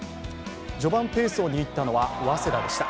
序盤ペースを握ったのは早稲田でした。